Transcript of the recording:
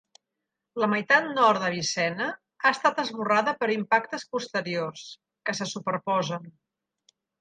La meitat nord d'Avicenna ha estat esborrada per impactes posteriors, que se superposen.